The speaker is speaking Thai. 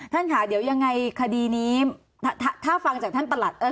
ท่านค่ะเดี๋ยวยังไงคดีนี้ถ้าฟังจากท่านประหลัด